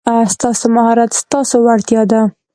ستاسو مهارت ستاسو وړتیا ده.